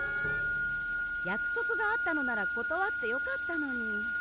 やくそくがあったのならことわってよかったのに。